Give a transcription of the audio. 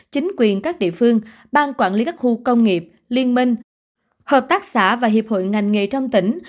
chính quyền các địa phương ban quản lý các khu công nghiệp liên minh hợp tác xã và hiệp hội ngành nghề trong tỉnh